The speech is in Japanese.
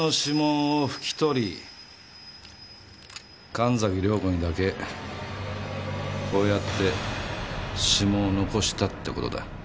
神崎涼子にだけこうやって指紋を残したって事だ。